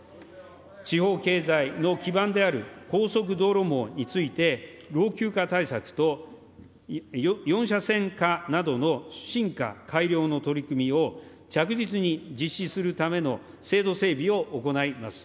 地方経済の基盤である高速道路網について老朽化対策と４車線化などの進化・改良の取り組みを着実に実施するための制度整備を行います。